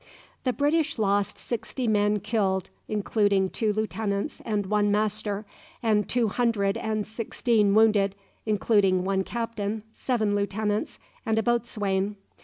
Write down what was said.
The British lost sixty men killed, including two lieutenants and one master, and two hundred and sixteen wounded, including one captain, seven lieutenants, and a boatswain.